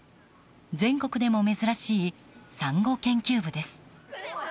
全国でも珍しいサンゴ研究部です。